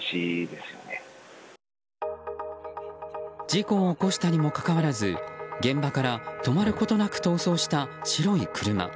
事故を起こしたにもかかわらず現場から止まることなく逃走した白い車。